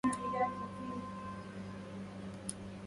لهذي النوق تنحط كلالا